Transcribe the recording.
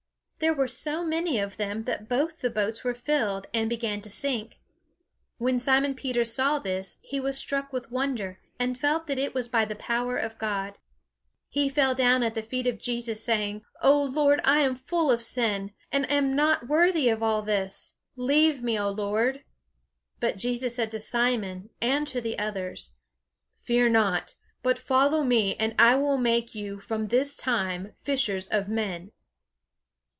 There were so many of them that both the boats were filled, and began to sink. When Simon Peter saw this, he was struck with wonder, and felt that it was by the power of God. He fell down at the feet of Jesus, saying: "Oh Lord, I am full of sin, and am not worthy of all this! Leave me, O Lord." But Jesus said to Simon, and to the others, "Fear not; but follow me, and I will make you from this time fishers of men."